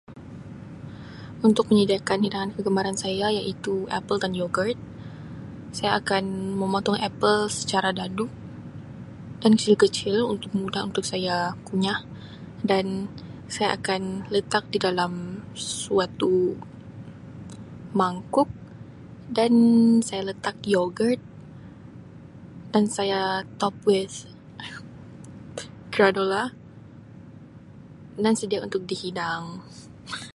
Untuk menyediakan hidangan kegemaran saya iaitu epal and yogurt saya akan memotong epal secara dadu dan kecil-kecil untuk mudah untuk saya kunyah dan saya akan letak di dalam suatu mangkuk dan saya letak yogurt dan saya top waist granola dan sedia untuk dihidang.